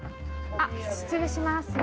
あっ失礼します。